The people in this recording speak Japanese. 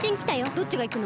どっちがいくの？